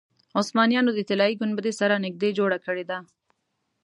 عثمانیانو د طلایي ګنبدې سره نږدې جوړه کړې ده.